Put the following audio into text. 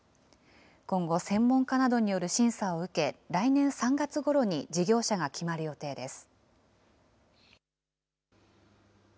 今後、専門家などによる審査を受け、来年３月ごろに事業者が決まる予定です。